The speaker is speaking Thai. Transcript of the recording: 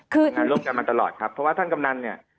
ร่วมกันมาตลอดครับเพราะว่าท่านกำนันเนี่ย